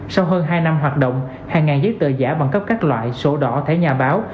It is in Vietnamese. sau hơn hai năm hoạt động hàng ngày giấy tờ giả bằng cấp các loại sổ đỏ thẻ nhà báo